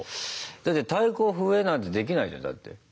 だって太鼓笛なんてできないじゃんだって。